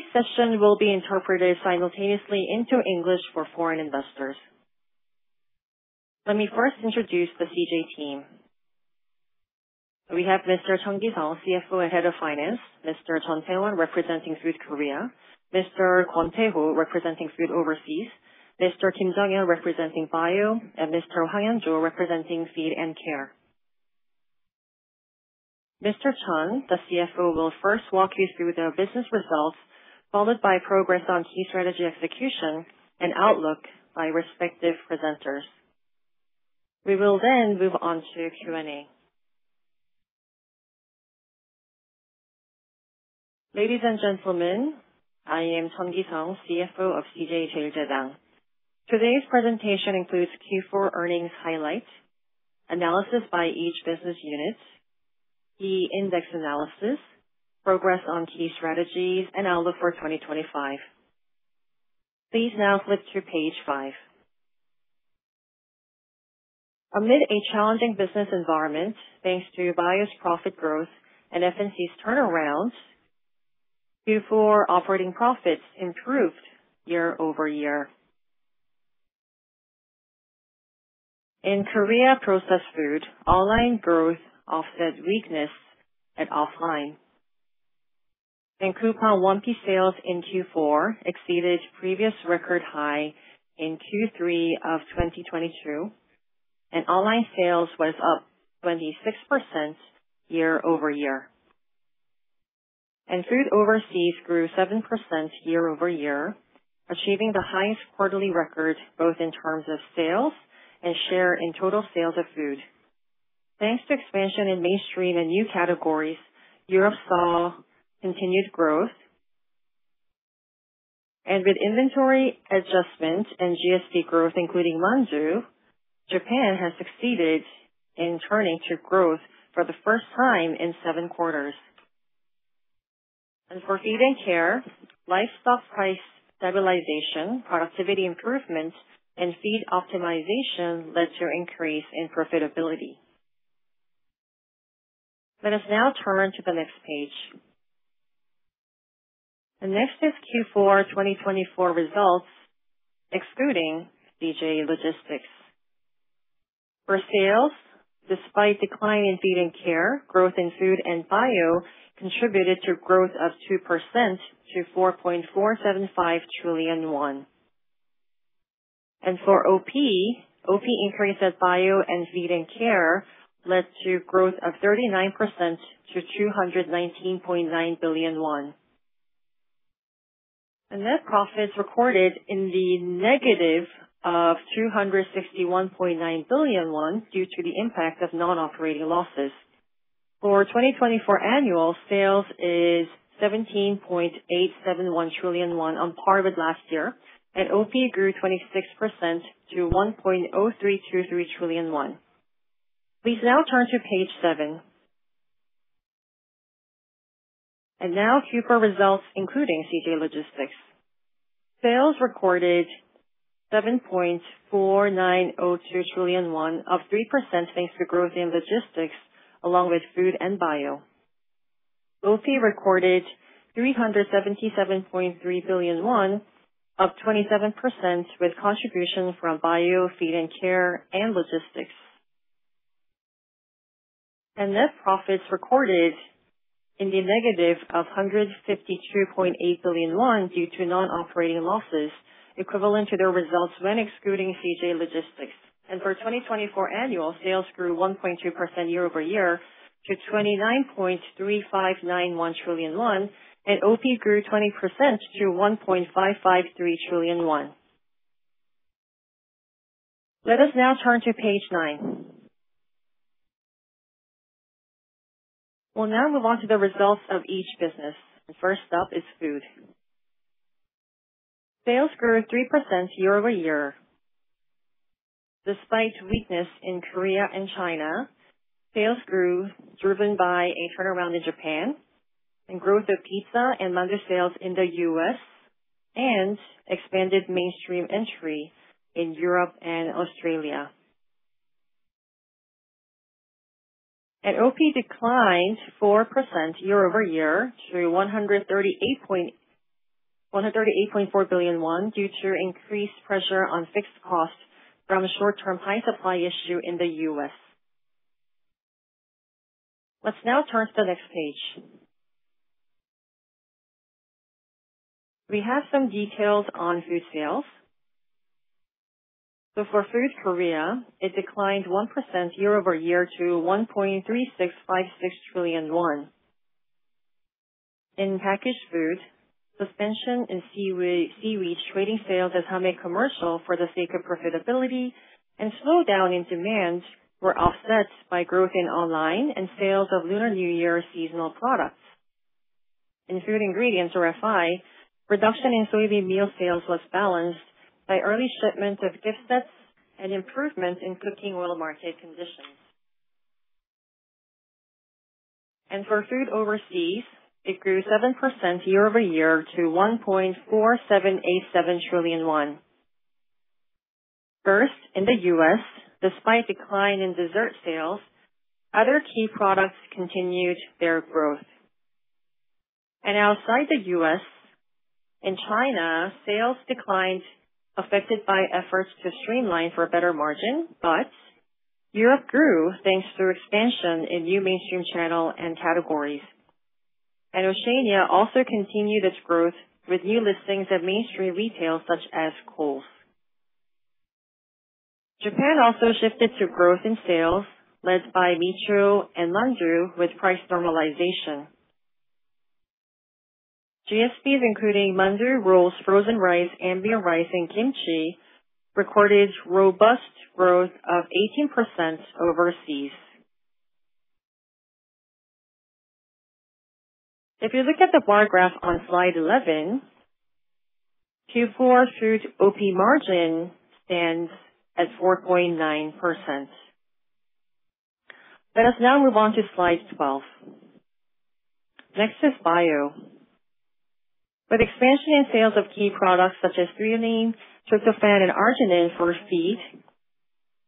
Today's session will be interpreted simultaneously into English for foreign investors. Let me first introduce the CJ team. We have Mr. Jung Gi-sung, CFO, Head of Finance, Mr. Chun Tae-won representing Food Korea, Mr. Kwon Tae-hoo, representing Food Overseas, Mr. Kim Jung-il, representing BIO, and Mr. Hwang Yang-joo, representing Feed and Care. Mr. Chun, the CFO, will first walk you through the business results, followed by progress on key strategy execution and outlook by respective presenters. We will then move on to Q&A. Ladies and gentlemen, I am Jung Gi-sung, CFO of CJ CheilJedang. Today's presentation includes Q4 earnings highlights, analysis by each business unit, key index analysis, progress on key strategies, and outlook for 2025. Please now flip to page 5. Amid a challenging business environment, thanks to BIO's profit growth and F&C's turnaround, Q4 operating profits improved year-over-year. In Korea processed food, online growth offset weakness at offline, and Coupang 1P sales in Q4 exceeded previous record high in Q3 of 2022, and online sales was up 26% year-over-year, and Food Overseas grew 7% year-over-year, achieving the highest quarterly record both in terms of sales and share in total sales of food. Thanks to expansion in mainstream and new categories, Europe saw continued growth, and with inventory adjustment and GSP growth, including mandu, Japan has succeeded in turning to growth for the first time in seven quarters, and for Feed and Care, livestock price stabilization, productivity improvement, and feed optimization led to an increase in profitability. Let us now turn to the next page. The next is Q4 2024 results, excluding CJ Logistics. For sales, despite a decline in Feed and Care, growth in Food and BIO contributed to growth of 2% to 4.475 trillion won. For OP, OP increase at BIO and Feed and Care led to growth of 39% to 219.9 billion won. Net profits recorded in the negative of 261.9 billion won due to the impact of non-operating losses. For 2024 annual, sales is 17.871 trillion won, on par with last year, and OP grew 26% to 1.0323 trillion won. Please now turn to page 7. Now Q4 results, including CJ Logistics. Sales recorded 7.4902 trillion won of 3% thanks to growth in logistics, along with Food and BIO. OP recorded 377.3 billion won of 27% with contribution from BIO, Feed and Care, and Logistics. Net profits recorded in the negative of 152.8 billion won due to non-operating losses, equivalent to their results when excluding CJ Logistics. For 2024 annual, sales grew 1.2% year-over-year to 29.3591 trillion won, and OP grew 20% to 1.553 trillion won. Let us now turn to page 9. We'll now move on to the results of each business. First up is Food. Sales grew 3% year-over-year. Despite weakness in Korea and China, sales grew driven by a turnaround in Japan, and growth of pizza and mandu sales in the U.S., and expanded mainstream entry in Europe and Australia. OP declined 4% year-over-year to 138.4 billion won due to increased pressure on fixed costs from a short-term pie supply issue in the U.S. Let's now turn to the next page. We have some details on food sales. For Food Korea, it declined 1% year-over-year to 1.3656 trillion KRW. In packaged food, suspension in seaweed trading sales as Samhae Commercial for the sake of profitability and slowdown in demand were offset by growth in online and sales of Lunar New Year seasonal products. In food ingredients or FI, reduction in soybean meal sales was balanced by early shipment of gift sets and improvement in cooking oil market conditions. For Food Overseas, it grew 7% year-over-year to 1.4787 trillion won. First, in the U.S., despite a decline in dessert sales, other key products continued their growth. Outside the U.S., in China, sales declined, affected by efforts to streamline for better margin, but Europe grew thanks to expansion in new mainstream channels and categories. Oceania also continued its growth with new listings at mainstream retail such as Coles. Japan also shifted to growth in sales, led by Micho and Mandu with price normalization. GSPs, including Mandu, rolls, frozen rice, Hetbahn, and kimchi, recorded robust growth of 18% overseas. If you look at the bar graph on slide 11, Q4 Food OP margin stands at 4.9%. Let us now move on to slide 12. Next is BIO. With expansion in sales of key products such as threonine, tryptophan, and arginine for feed,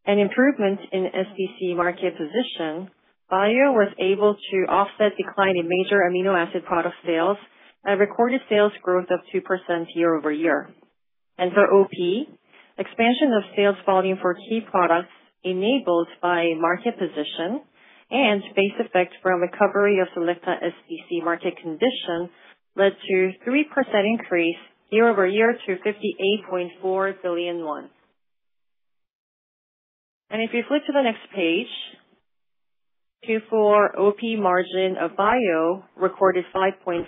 and improvement in SPC market position, BIO was able to offset decline in major amino acid product sales and recorded sales growth of 2% year-over-year. For OP, expansion of sales volume for key products enabled by market position and base effect from recovery of selected SPC market condition led to a 3% increase year-over-year to 58.4 billion won. If you flip to the next page, Q4 OP margin of BIO recorded 5.5%,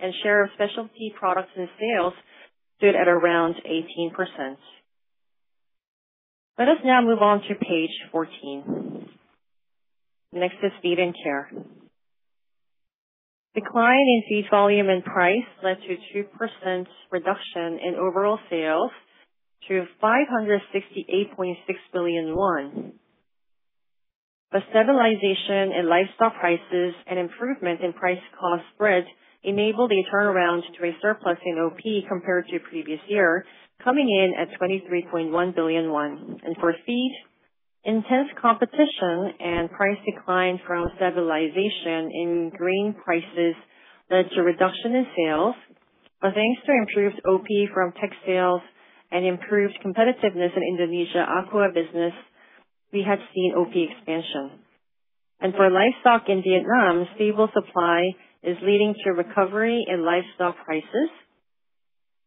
and share of specialty products in sales stood at around 18%. Let us now move on to page 14. Next is Feed and Care. Decline in feed volume and price led to a 2% reduction in overall sales to 568.6 billion won. Stabilization in livestock prices and improvement in price cost spread enabled a turnaround to a surplus in OP compared to previous year, coming in at 23.1 billion won. For feed, intense competition and price decline from stabilization in grain prices led to a reduction in sales. Thanks to improved OP from tech sales and improved competitiveness in Indonesia aqua business, we had seen OP expansion. For livestock in Vietnam, stable supply is leading to recovery in livestock prices.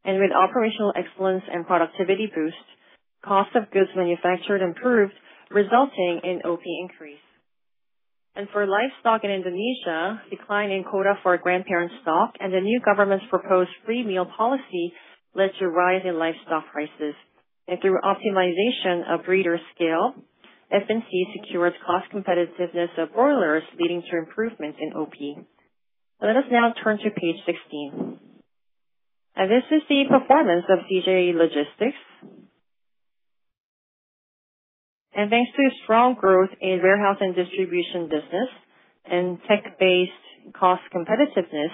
With operational excellence and productivity boost, cost of goods manufactured improved, resulting in OP increase. For livestock in Indonesia, decline in quota for grandparent stock and the new government's proposed free meal policy led to a rise in livestock prices. Through optimization of breeder scale, F&C secured cost competitiveness of broilers, leading to improvements in OP. Let us now turn to page 16. This is the performance of CJ Logistics. Thanks to strong growth in warehouse and distribution business and tech-based cost competitiveness,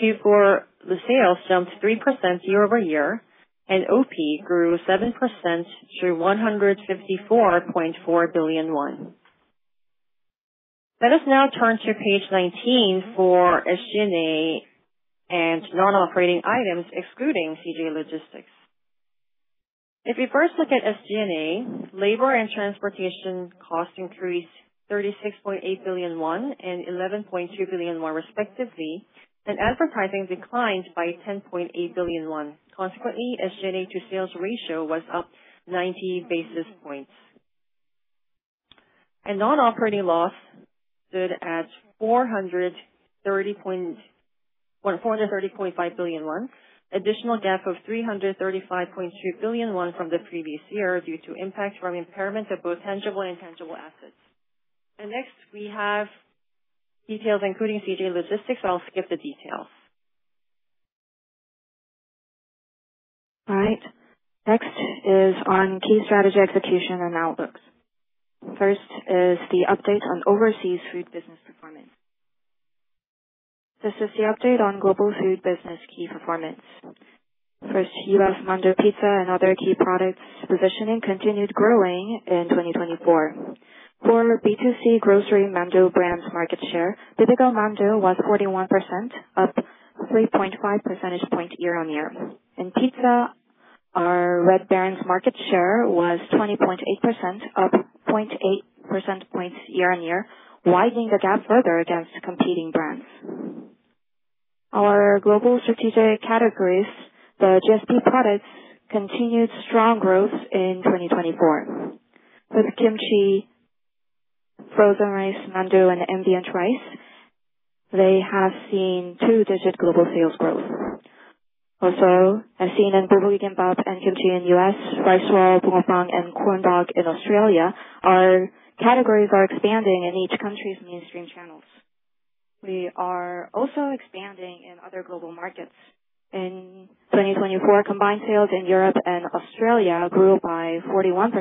Q4 sales jumped 3% year-over-year, and OP grew 7% to 154.4 billion won. Let us now turn to page 19 for SG&A and non-operating items, excluding CJ Logistics. If we first look at SG&A, labor and transportation costs increased 36.8 billion won and 11.2 billion won respectively, and advertising declined by 10.8 billion won. Consequently, SG&A to sales ratio was up 90 basis points. And non-operating loss stood at 430.5 billion won, additional gap of 335.2 billion won from the previous year due to impact from impairment of both tangible and intangible assets. And next, we have details including CJ Logistics. I'll skip the details. All right. Next is on key strategy execution and outlook. First is the update on overseas food business performance. This is the update on global food business key performance. First, Bibigo's mandu pizza and other key products positioning continued growing in 2024. For B2C grocery mandu brand's market share, Bibigo mandu was 41%, up 3.5 percentage points year on year. In pizza, our Red Baron's market share was 20.8%, up 0.8 percentage points year on year, widening the gap further against competing brands. Our global strategic categories, the GSP products, continued strong growth in 2024. With kimchi, frozen rice, mandu, and ambient rice, they have seen two-digit global sales growth. Also, as seen in Bibigo gimbap and kimchi in the U.S., rice roll, bungeoppang, and corn dog in Australia, our categories are expanding in each country's mainstream channels. We are also expanding in other global markets. In 2024, combined sales in Europe and Australia grew by 41%,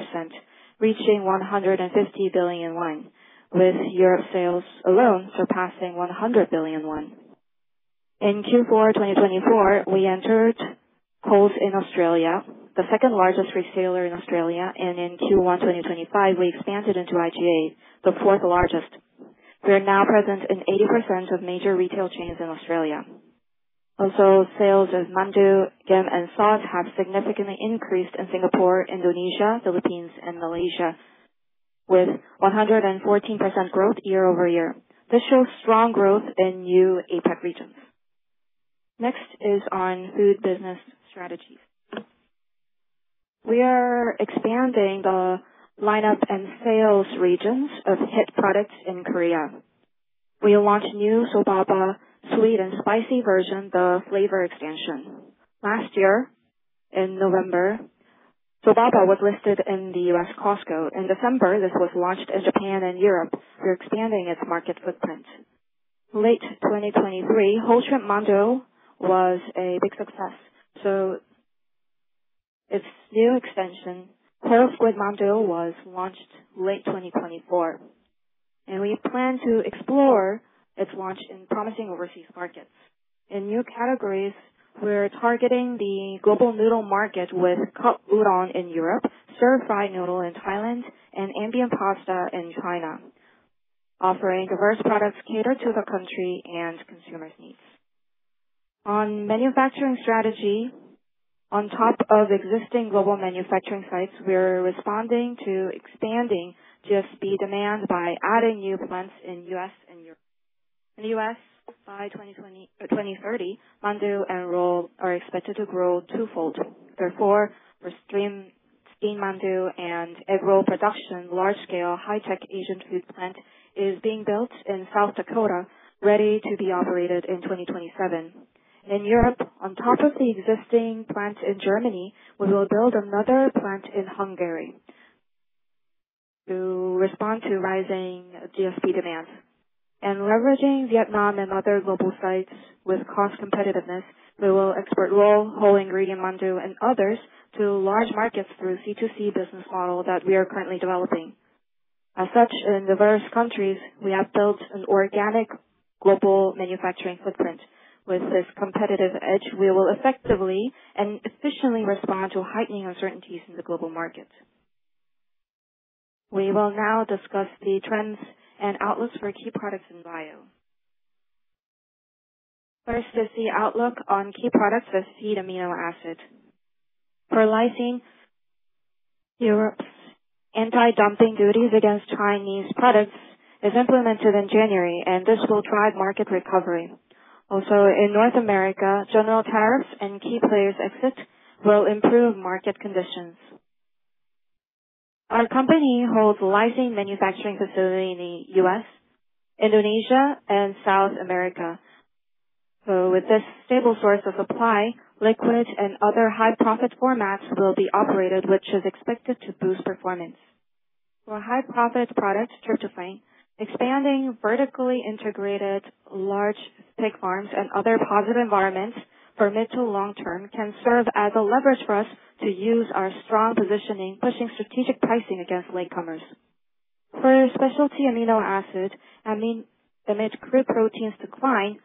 reaching 150 billion won, with Europe sales alone surpassing 100 billion won. In Q4 2024, we entered Coles in Australia, the second largest retailer in Australia, and in Q1 2025, we expanded into IGA, the fourth largest. We are now present in 80% of major retail chains in Australia. Also, sales of mandu, gem, and sauce have significantly increased in Singapore, Indonesia, Philippines, and Malaysia, with 114% growth year-over-year. This shows strong growth in new APAC regions. Next is on food business strategies. We are expanding the lineup and sales regions of hit products in Korea. We launched new Sobaba sweet and spicy version, the flavor extension. Last year, in November, Sobaba was listed in the U.S. Costco. In December, this was launched in Japan and Europe. We're expanding its market footprint. Late 2023, whole shrimp mandu was a big success. So its new extension, whole squid mandu, was launched late 2024. And we plan to explore its launch in promising overseas markets. In new categories, we're targeting the global noodle market with cup udon in Europe, stir-fried noodle in Thailand, and ambient pasta in China, offering diverse products catered to the country and consumers' needs. On manufacturing strategy, on top of existing global manufacturing sites, we're responding to expanding GSP demand by adding new plants in the U.S. and Europe. In the U.S., by 2030, mandu and roll are expected to grow twofold. Therefore, for steam mandu and egg roll production, large-scale high-tech Asian food plant is being built in South Dakota, ready to be operated in 2027. In Europe, on top of the existing plant in Germany, we will build another plant in Hungary to respond to rising GSP demand. Leveraging Vietnam and other global sites with cost competitiveness, we will export raw whole ingredient mandu, and others to large markets through a C2C business model that we are currently developing. As such, in diverse countries, we have built an organic global manufacturing footprint. With this competitive edge, we will effectively and efficiently respond to heightening uncertainties in the global market. We will now discuss the trends and outlooks for key products in BIO. First is the outlook on key products as feed amino acid. For lysine, Europe's anti-dumping duties against Chinese products is implemented in January, and this will drive market recovery. Also, in North America, general tariffs and key players' exit will improve market conditions. Our company holds a lysine manufacturing facility in the U.S., Indonesia, and South America. So with this stable source of supply, liquid and other high-profit formats will be operated, which is expected to boost performance. For high-profit products, tryptophan, expanding vertically integrated large pig farms and other positive environments for mid to long term can serve as a leverage for us to use our strong positioning, pushing strategic pricing against latecomers. For specialty amino acid, I mean, amid crude proteins decline,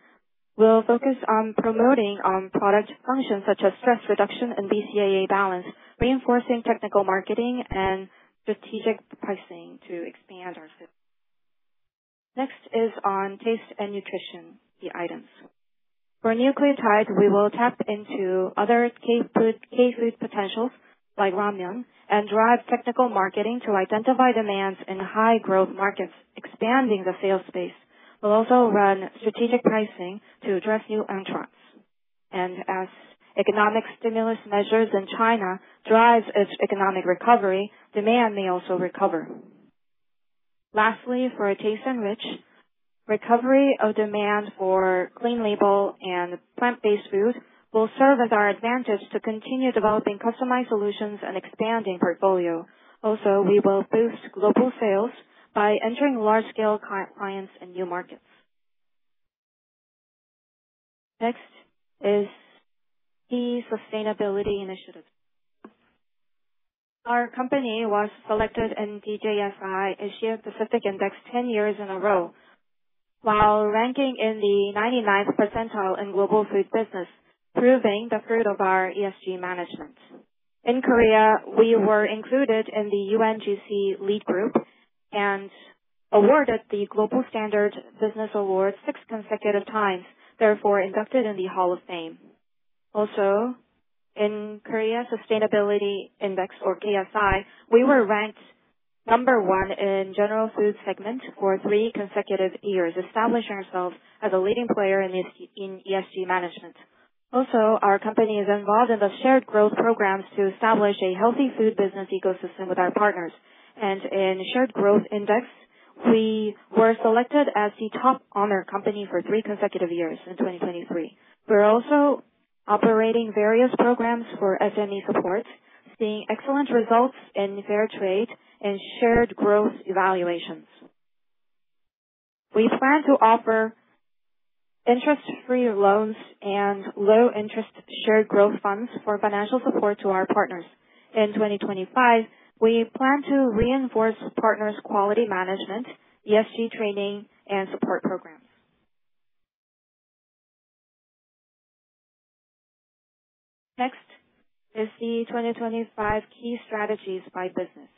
we'll focus on promoting product functions such as stress reduction and BCAA balance, reinforcing technical marketing and strategic pricing to expand our field. Next is on taste and nutrition, the items. For nucleotides, we will tap into other K-food potentials like ramen and drive technical marketing to identify demands in high-growth markets, expanding the sales space. We'll also run strategic pricing to address new entrants. And as economic stimulus measures in China drive its economic recovery, demand may also recover. Lastly, for Taste and Nutrition, a rich recovery of demand for Clean Label and plant-based food will serve as our advantage to continue developing customized solutions and expanding portfolio. Also, we will boost global sales by entering large-scale clients in new markets. Next is key sustainability initiatives. Our company was selected in DJSI Asia-Pacific Index 10 years in a row, while ranking in the 99th percentile in global food business, proving the fruit of our ESG management. In Korea, we were included in the UNGC lead group and awarded the Global Standard Business Awards six consecutive times, therefore inducted in the Hall of Fame. Also, in Korea Sustainability Index, or KSI, we were ranked number one in general food segment for three consecutive years, establishing ourselves as a leading player in ESG management. Also, our company is involved in the shared growth programs to establish a healthy food business ecosystem with our partners, and in the shared growth index, we were selected as the top honor company for three consecutive years in 2023. We're also operating various programs for SME support, seeing excellent results in fair trade and shared growth evaluations. We plan to offer interest-free loans and low-interest shared growth funds for financial support to our partners. In 2025, we plan to reinforce partners' quality management, ESG training, and support programs. Next is the 2025 key strategies by business.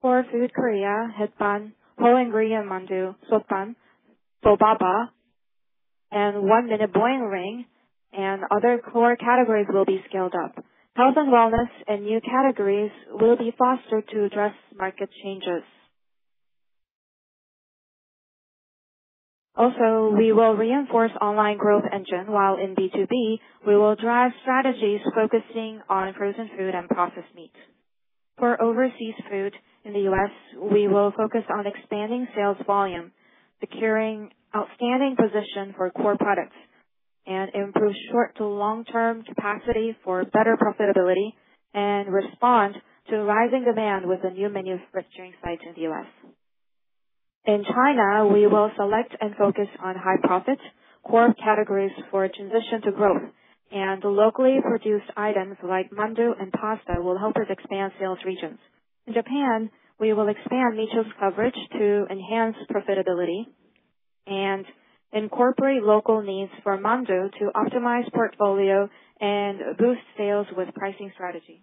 Core food Korea, Hetbahn, whole ingredient mandu, Sotban, Sobaba, and one-minute boiling ring, and other core categories will be scaled up. Health and wellness and new categories will be fostered to address market changes. Also, we will reinforce online growth engine while in B2B, we will drive strategies focusing on frozen food and processed meat. For overseas food in the U.S., we will focus on expanding sales volume, securing outstanding position for core products, and improve short to long-term capacity for better profitability and respond to rising demand with a new manufacturing site in the U.S. In China, we will select and focus on high-profit core categories for transition to growth, and locally produced items like mandu and pasta will help us expand sales regions. In Japan, we will expand mutual coverage to enhance profitability and incorporate local needs for mandu to optimize portfolio and boost sales with pricing strategy.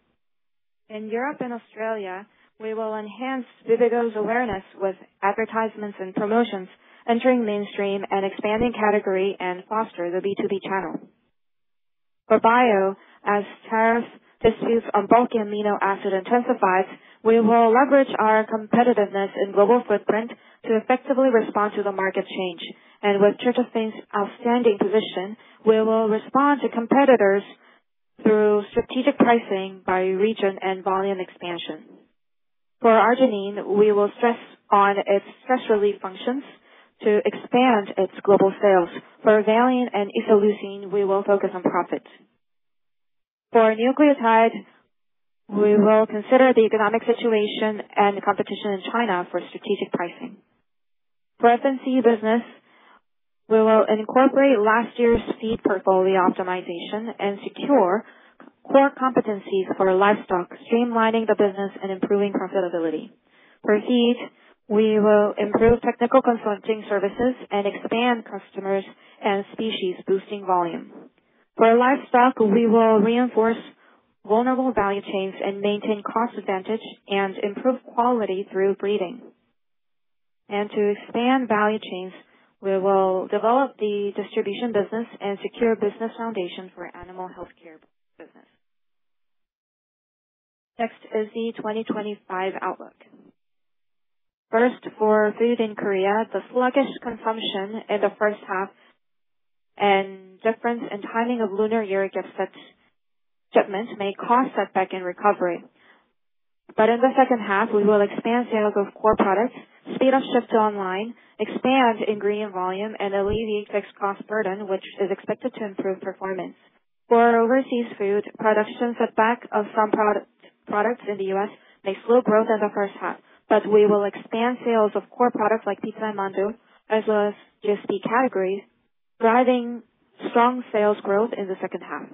In Europe and Australia, we will enhance Bibigo's awareness with advertisements and promotions, entering mainstream and expanding category and foster the B2B channel. For BIO, as tariff disputes on bulk amino acid intensified, we will leverage our competitiveness in global footprint to effectively respond to the market change, and with tryptophan's outstanding position, we will respond to competitors through strategic pricing by region and volume expansion. For arginine, we will stress on its stress relief functions to expand its global sales. For valine and isoleucine, we will focus on profit. For nucleotide, we will consider the economic situation and competition in China for strategic pricing. For F&C business, we will incorporate last year's feed portfolio optimization and secure core competencies for livestock, streamlining the business and improving profitability. For feed, we will improve technical consulting services and expand customers and species boosting volume. For livestock, we will reinforce vulnerable value chains and maintain cost advantage and improve quality through breeding. And to expand value chains, we will develop the distribution business and secure business foundation for animal healthcare business. Next is the 2025 outlook. First, for food in Korea, the sluggish consumption in the first half and difference in timing of lunar year shipments may cause setback in recovery. But in the second half, we will expand sales of core products, speed up shift to online, expand ingredient volume, and alleviate fixed cost burden, which is expected to improve performance. For overseas food, production setback of some products in the U.S. may slow growth in the first half, but we will expand sales of core products like pizza and mandu, as well as GSP categories, driving strong sales growth in the second half.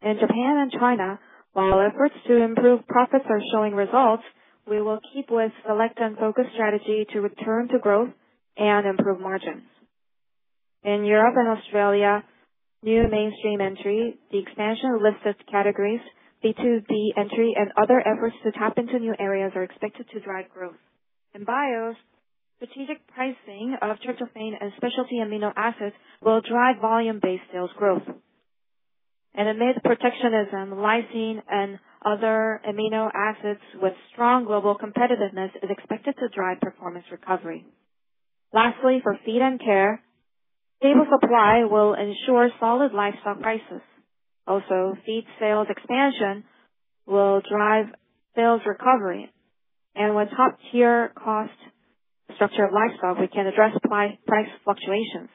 In Japan and China, while efforts to improve profits are showing results, we will keep with selective and focused strategy to return to growth and improve margins. In Europe and Australia, new mainstream entry, the expansion of listed categories, B2B entry, and other efforts to tap into new areas are expected to drive growth. In BIO, strategic pricing of tryptophan and specialty amino acids will drive volume-based sales growth, and amid protectionism, lysine and other amino acids with strong global competitiveness is expected to drive performance recovery. Lastly, for feed and care, stable supply will ensure solid livestock prices. Also, feed sales expansion will drive sales recovery, and with top-tier cost structure of livestock, we can address price fluctuations,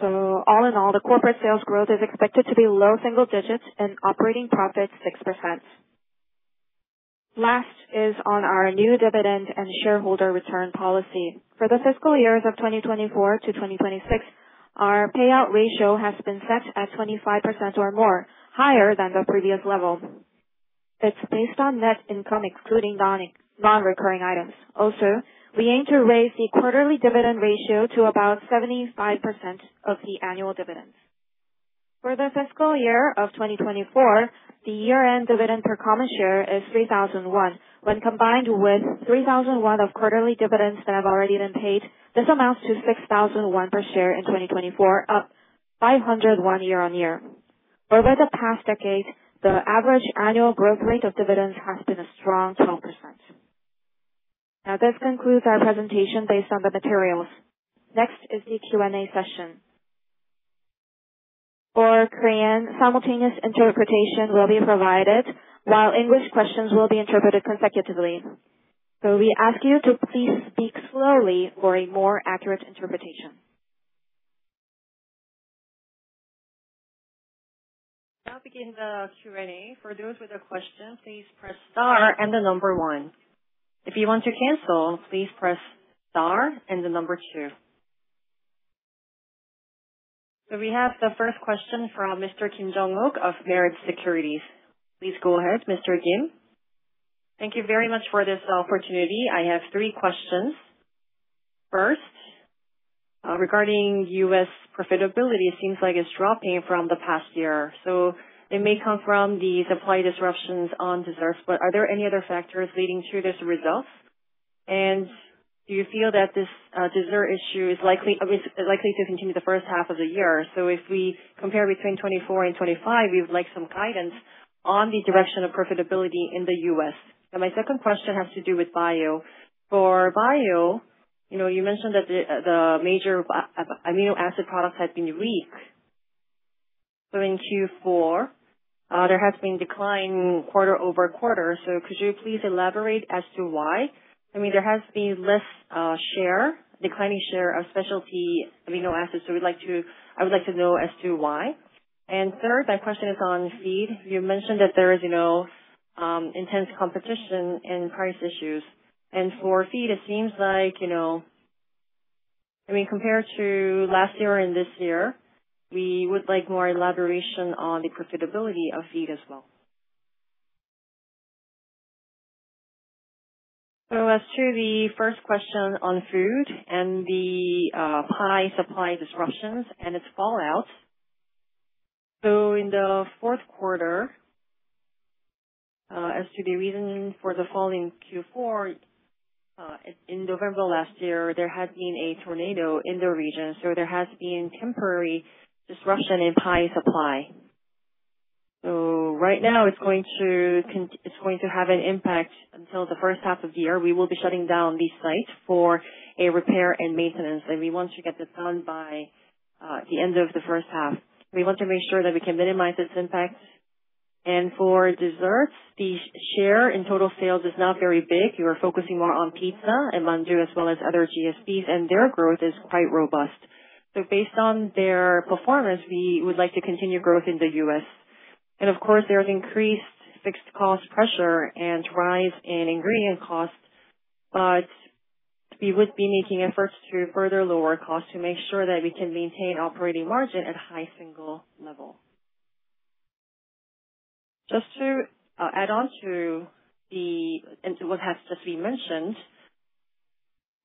so all in all, the corporate sales growth is expected to be low single digits and operating profits 6%. Last is on our new dividend and shareholder return policy. For the fiscal years of 2024 to 2026, our payout ratio has been set at 25% or more, higher than the previous level. It's based on net income excluding non-recurring items. Also, we aim to raise the quarterly dividend ratio to about 75% of the annual dividends. For the fiscal year of 2024, the year-end dividend per common share is 3,001. When combined with 3,001 of quarterly dividends that have already been paid, this amounts to 6,001 per share in 2024, up 501 year-on-year. Over the past decade, the average annual growth rate of dividends has been a strong 12%. Now, this concludes our presentation based on the materials. Next is the Q&A session. For Korean, simultaneous interpretation will be provided, while English questions will be interpreted consecutively. So we ask you to please speak slowly for a more accurate interpretation. Now begin the Q&A. For those with a question, please press star and the number one. If you want to cancel, please press star and the number two. So we have the first question from Mr. Kim Jung-wook of Meritz Securities. Please go ahead, Mr. Kim. Thank you very much for this opportunity. I have three questions. First, regarding U.S. profitability, it seems like it's dropping from the past year. So it may come from the supply disruptions on desserts, but are there any other factors leading to this result? And do you feel that this dessert issue is likely to continue the first half of the year? So if we compare between 2024 and 2025, we would like some guidance on the direction of profitability in the U.S. Now, my second question has to do with BIO. For BIO, you mentioned that the major amino acid products had been weak. So in Q4, there has been decline quarter-over-quarter. So could you please elaborate as to why? I mean, there has been less share, declining share of specialty amino acids. So I would like to know as to why. And third, my question is on feed. You mentioned that there is intense competition and price issues. And for feed, it seems like, I mean, compared to last year and this year, we would like more elaboration on the profitability of feed as well. So as to the first question on food and the pie supply disruptions and its fallout. So in the fourth quarter, as to the reason for the fall in Q4, in November last year, there had been a tornado in the region. So there has been temporary disruption in pie supply. So right now, it's going to have an impact until the first half of the year. We will be shutting down the site for a repair and maintenance. We want to get this done by the end of the first half. We want to make sure that we can minimize its impact. For desserts, the share in total sales is not very big. You are focusing more on pizza and mandu, as well as other GSPs, and their growth is quite robust. Based on their performance, we would like to continue growth in the U.S. Of course, there is increased fixed cost pressure and rise in ingredient costs, but we would be making efforts to further lower costs to make sure that we can maintain operating margin at high single level. Just to add on to what has just been mentioned,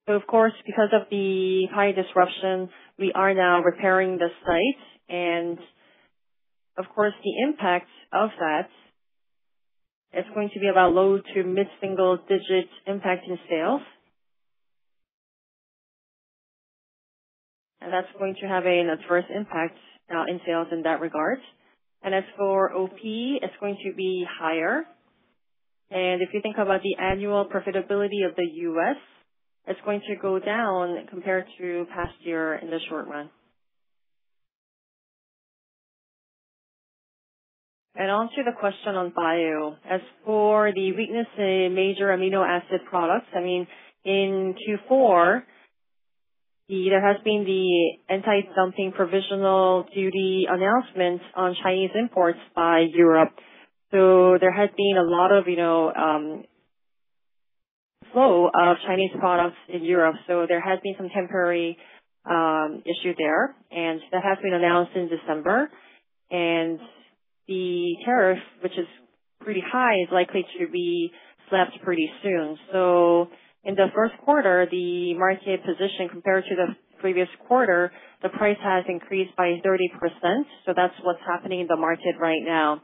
of course, because of the pie disruption, we are now repairing the site. Of course, the impact of that is going to be about low-to-mid single-digit impact in sales. And that's going to have an adverse impact in sales in that regard. And as for OP, it's going to be higher. And if you think about the annual profitability of the U.S., it's going to go down compared to past year in the short run. And on to the question on BIO. As for the weakness in major amino acid products, I mean, in Q4, there has been the anti-dumping provisional duty announcement on Chinese imports by Europe. So there had been a lot of flow of Chinese products in Europe. So there has been some temporary issue there. And that has been announced in December. And the tariff, which is pretty high, is likely to be slapped pretty soon. So in the first quarter, the market position compared to the previous quarter, the price has increased by 30%. So that's what's happening in the market right now.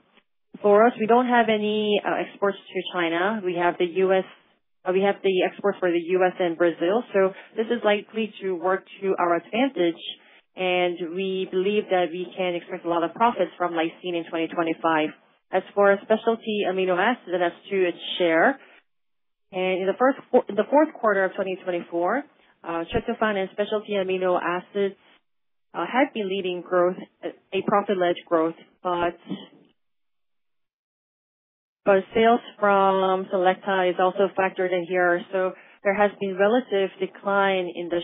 For us, we don't have any exports to China. We have the U.S. We have the exports for the U.S. and Brazil, so this is likely to work to our advantage, and we believe that we can expect a lot of profits from lysine in 2025. As for specialty amino acid, and as to its share, and in the fourth quarter of 2024, tryptophan and specialty amino acids had been leading growth, a profit-led growth, but sales from Selecta is also factored in here, so there has been relative decline in the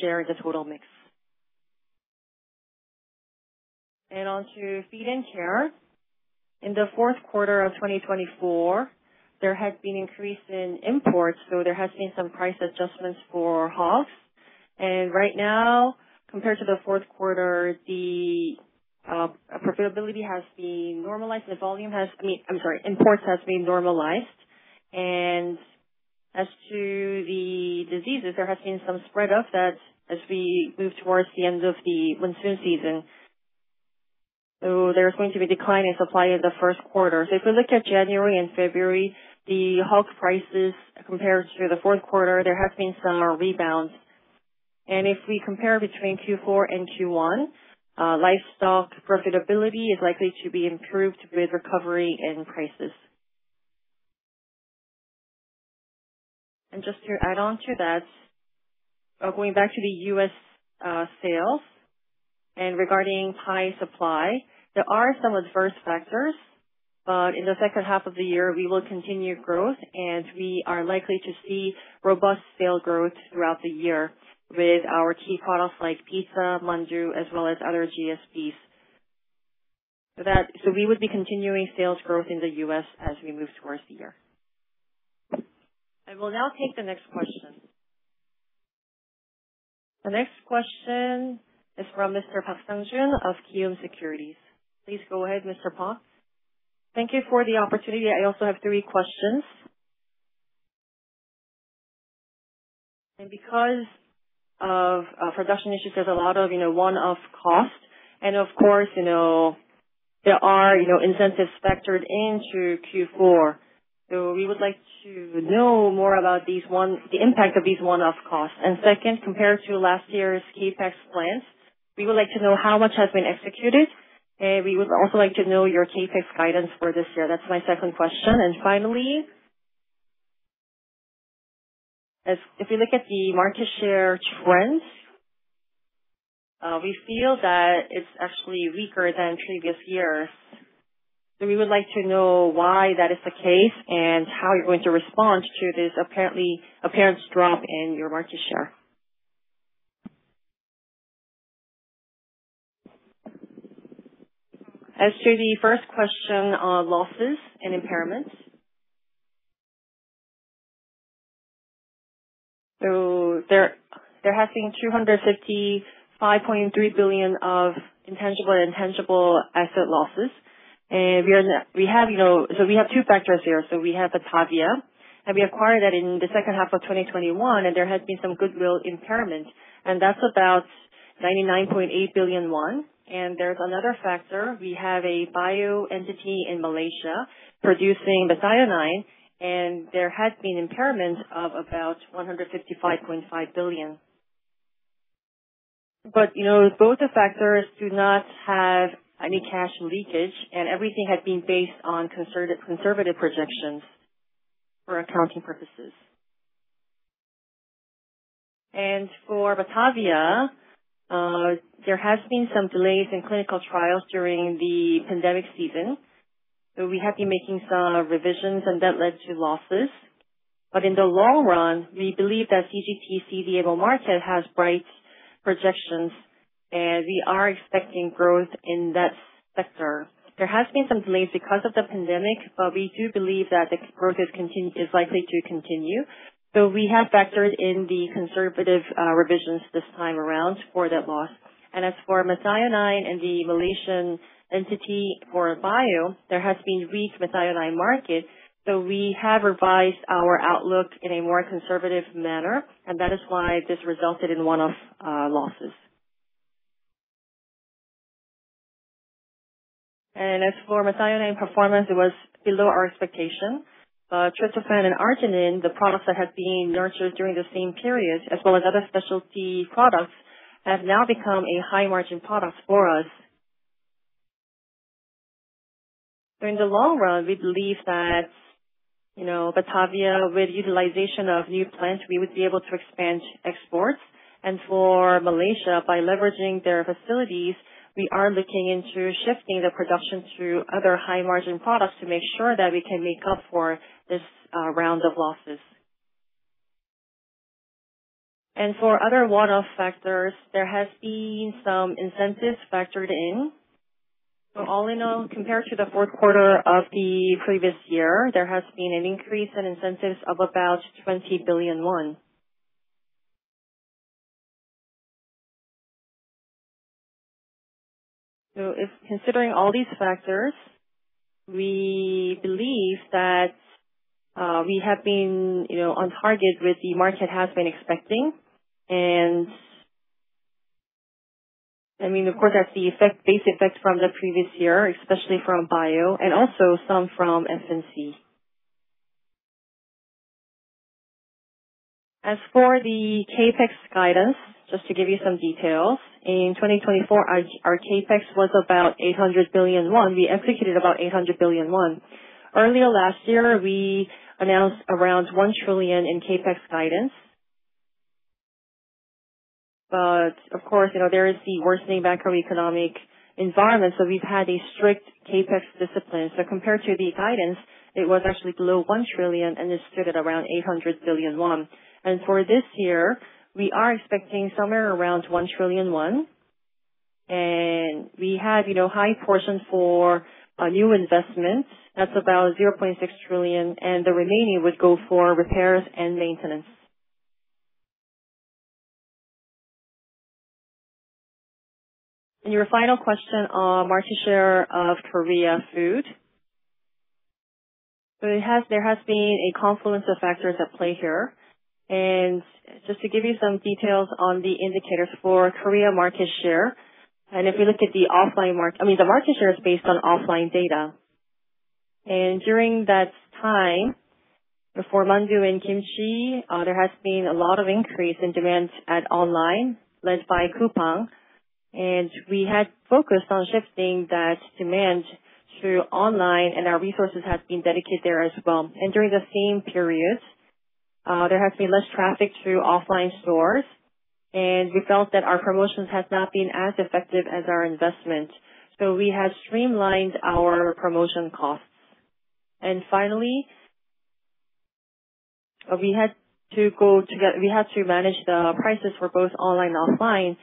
share in the total mix, and on to feed and care. In the fourth quarter of 2024, there had been increase in imports, so there has been some price adjustments for hogs, and right now, compared to the fourth quarter, the profitability has been normalized. The volume has, I mean, I'm sorry, imports has been normalized. As to the diseases, there has been some spread of that as we move towards the end of the monsoon season. So there's going to be a decline in supply in the first quarter. So if we look at January and February, the hog prices compared to the fourth quarter, there has been some rebound. And if we compare between Q4 and Q1, livestock profitability is likely to be improved with recovery in prices. And just to add on to that, going back to the U.S. sales, and regarding pies supply, there are some adverse factors, but in the second half of the year, we will continue growth, and we are likely to see robust sales growth throughout the year with our key products like pizza, mandu, as well as other GSPs. So we would be continuing sales growth in the U.S. as we move towards the year. I will now take the next question. The next question is from Mr. Park Sang-jun of Kiwoom Securities. Please go ahead, Mr. Park. Thank you for the opportunity. I also have three questions. And because of production issues, there's a lot of one-off cost. And of course, there are incentives factored into Q4. So we would like to know more about the impact of these one-off costs. And second, compared to last year's CapEx plans, we would like to know how much has been executed. And we would also like to know your CapEx guidance for this year. That's my second question. And finally, if we look at the market share trends, we feel that it's actually weaker than previous years. So we would like to know why that is the case and how you're going to respond to this apparent drop in your market share. As to the first question on losses and impairments, there has been 255.3 billion of intangible and tangible asset losses. And we have two factors here. We have Batavia, and we acquired that in the second half of 2021, and there has been some goodwill impairment. And that's about 99.8 billion won. And there's another factor. We have a BIO entity in Malaysia producing methionine, and there has been impairment of about 155.5 billion. But both the factors do not have any cash leakage, and everything has been based on conservative projections for accounting purposes. And for Batavia, there has been some delays in clinical trials during the pandemic season. We have been making some revisions, and that led to losses. But in the long run, we believe that CGT CDMO market has bright projections, and we are expecting growth in that sector. There has been some delays because of the pandemic, but we do believe that the growth is likely to continue, so we have factored in the conservative revisions this time around for that loss, and as for methionine and the Malaysian entity for BIO, there has been weak methionine market, so we have revised our outlook in a more conservative manner, and that is why this resulted in one-off losses, and as for methionine performance, it was below our expectation, but tryptophan and arginine, the products that have been nurtured during the same period, as well as other specialty products, have now become high-margin products for us, so in the long run, we believe that Batavia, with utilization of new plants, we would be able to expand exports. For Malaysia, by leveraging their facilities, we are looking into shifting the production to other high-margin products to make sure that we can make up for this round of losses. For other one-off factors, there has been some incentives factored in. So all in all, compared to the fourth quarter of the previous year, there has been an increase in incentives of about 20 billion won. So considering all these factors, we believe that we have been on target with the market has been expecting. And I mean, of course, that's the base effect from the previous year, especially from BIO, and also some from F&C. As for the CapEx guidance, just to give you some details, in 2024, our CapEx was about 800 billion won. We executed about 800 billion won. Earlier last year, we announced around 1 trillion in CapEx guidance. But of course, there is the worsening macroeconomic environment, so we've had a strict CapEx discipline. So compared to the guidance, it was actually below 1 trillion, and it stood at around 800 billion won. And for this year, we are expecting somewhere around 1 trillion won. And we have high portion for new investments. That's about 0.6 trillion, and the remaining would go for repairs and maintenance. And your final question on market share of Korea food. So there has been a confluence of factors at play here. And just to give you some details on the indicators for Korea market share, and if we look at the offline market, I mean, the market share is based on offline data. And during that time, for mandu and kimchi, there has been a lot of increase in demand online, led by Coupang. And we had focused on shifting that demand to online, and our resources have been dedicated there as well. And during the same period, there has been less traffic to offline stores, and we felt that our promotions have not been as effective as our investment. So we had streamlined our promotion costs. And finally, we had to go together. We had to manage the prices for both online and offline,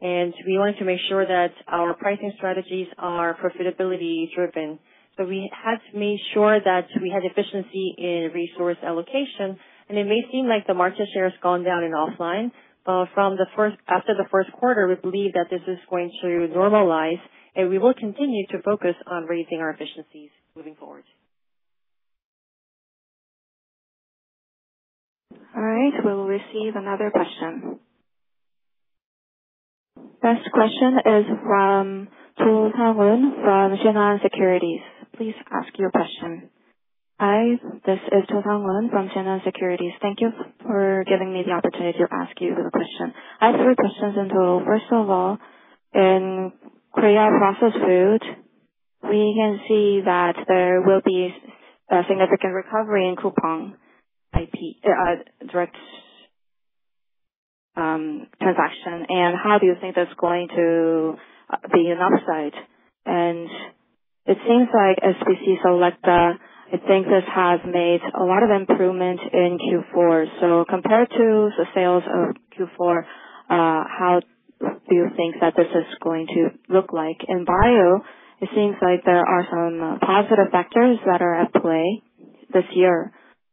and we wanted to make sure that our pricing strategies are profitability-driven. So we had to make sure that we had efficiency in resource allocation. And it may seem like the market share has gone down in offline, but after the first quarter, we believe that this is going to normalize, and we will continue to focus on raising our efficiencies moving forward. All right. We will receive another question. Best question is from Cho Sang-hoon from Shinhan Securities. Please ask your question. Hi. This is Cho Sang-hoon from Shinhan Securities. Thank you for giving me the opportunity to ask you the question. I have three questions in total. First of all, in Korea processed food, we can see that there will be a significant recovery in Coupang direct transaction. And how do you think that's going to be an upside? And it seems like SPC Selecta, I think this has made a lot of improvement in Q4. So compared to the sales of Q4, how do you think that this is going to look like? In BIO, it seems like there are some positive factors that are at play this year.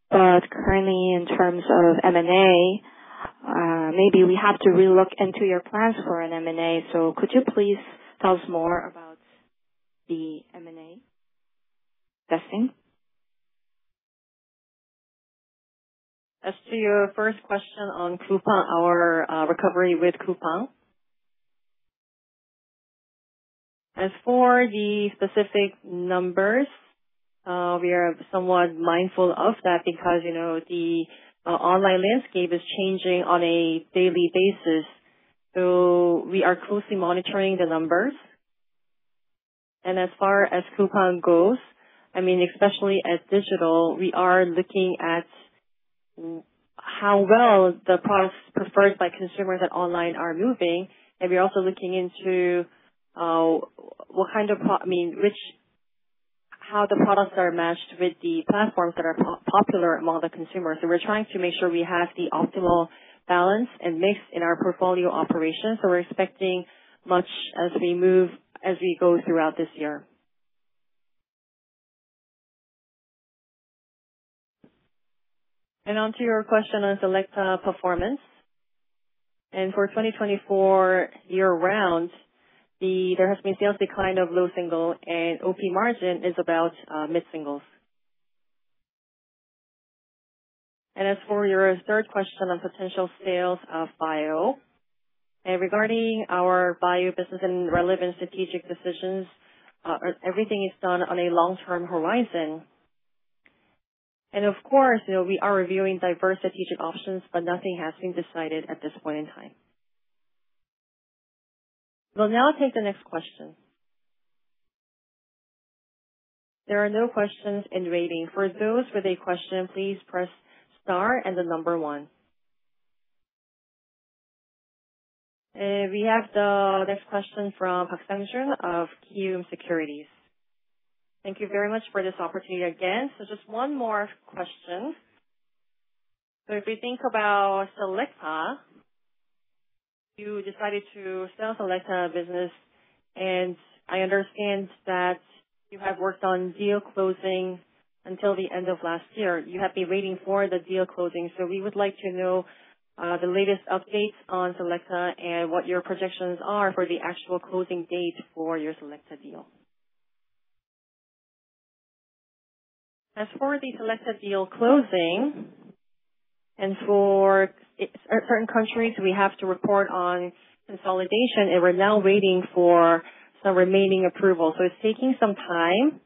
But currently, in terms of M&A, maybe we have to relook into your plans for an M&A. So could you please tell us more about the M&A investing? As to your first question on Coupang, our recovery with Coupang. As for the specific numbers, we are somewhat mindful of that because the online landscape is changing on a daily basis. So we are closely monitoring the numbers. And as far as Coupang goes, I mean, especially at digital, we are looking at how well the products preferred by consumers online are moving. And we're also looking into what kind of, I mean, how the products are matched with the platforms that are popular among the consumers. So we're trying to make sure we have the optimal balance and mix in our portfolio operations. So we're expecting much as we go throughout this year. And on to your question on Selecta performance. And for 2024 year-round, there has been sales decline of low single, and OP margin is about mid-singles. As for your third question on potential sales of BIO, and regarding our BIO business and relevant strategic decisions, everything is done on a long-term horizon. Of course, we are reviewing diverse strategic options, but nothing has been decided at this point in time. We'll now take the next question. There are no questions in waiting. For those with a question, please press star and the number one. We have the next question from Park Sang-jun of Kiwoom Securities. Thank you very much for this opportunity again. Just one more question. If we think about Selecta, you decided to sell Selecta business, and I understand that you have worked on deal closing until the end of last year. You have been waiting for the deal closing. So we would like to know the latest updates on Selecta and what your projections are for the actual closing date for your Selecta deal. As for the Selecta deal closing, and for certain countries, we have to report on consolidation, and we're now waiting for some remaining approval. So it's taking some time,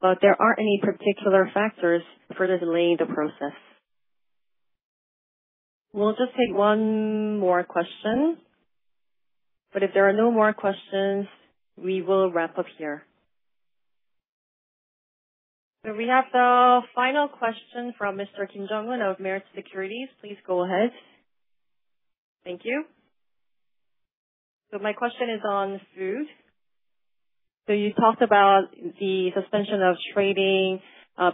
but there aren't any particular factors further delaying the process. We'll just take one more question. But if there are no more questions, we will wrap up here. So we have the final question from Mr. Kim Jung-wook of Meritz Securities. Please go ahead. Thank you. So my question is on food. So you talked about the suspension of trading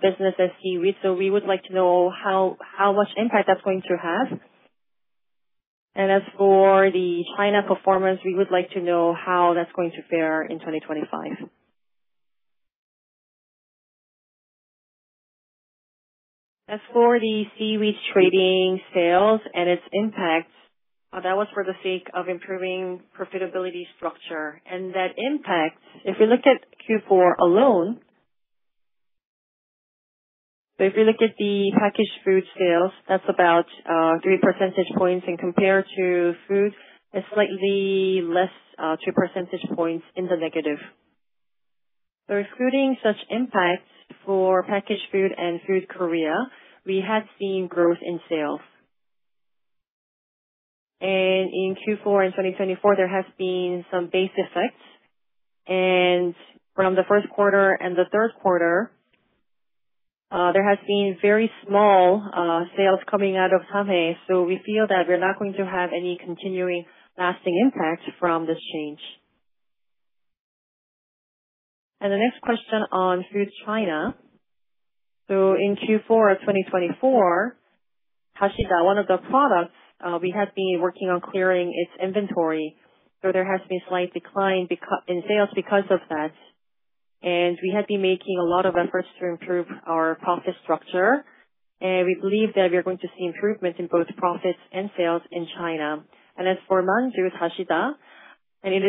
business as seaweed. So we would like to know how much impact that's going to have. And as for the China performance, we would like to know how that's going to fare in 2025. As for the seaweed trading sales and its impact, that was for the sake of improving profitability structure. And that impact, if we look at Q4 alone, so if we look at the packaged food sales, that's about 3 percentage points. And compared to food, it's slightly less, 2 percentage points in the negative. So excluding such impacts for packaged food and food Korea, we had seen growth in sales. And in Q4 and 2024, there has been some base effects. And from the first quarter and the third quarter, there has been very small sales coming out of Samhae. So we feel that we're not going to have any continuing lasting impact from this change. And the next question on food China. So in Q4 of 2024, Dasida, one of the products, we had been working on clearing its inventory. There has been a slight decline in sales because of that. We had been making a lot of efforts to improve our profit structure. We believe that we're going to see improvements in both profits and sales in China. As for mandu, Dasida, and in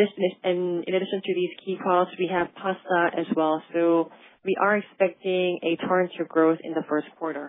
addition to these key products, we have pasta as well. We are expecting a turn to growth in the first quarter.